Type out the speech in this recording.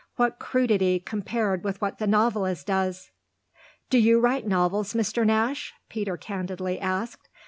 What crudity compared with what the novelist does!" "Do you write novels, Mr. Nash?" Peter candidly asked.